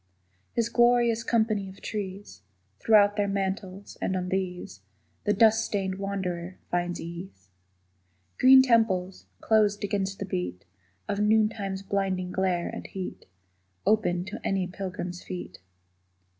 His glorious company of trees Throw out their mantles, and on these The dust stained wanderer finds ease. Green temples, closed against the beat Of noontime's blinding glare and heat, Open to any pilgrim's feet.